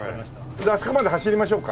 じゃああそこまで走りましょうか。